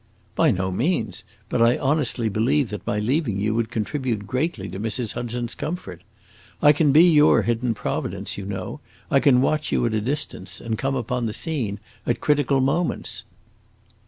"By no means; but I honestly believe that my leaving you would contribute greatly to Mrs. Hudson's comfort. I can be your hidden providence, you know; I can watch you at a distance, and come upon the scene at critical moments."